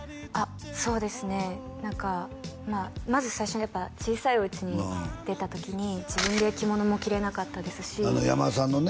そうですね何かまず最初やっぱ「小さいおうち」に出た時に自分で着物も着れなかったですし山田さんのね